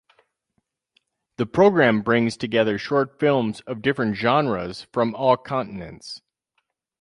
The program brings together short films of different genres from all continents.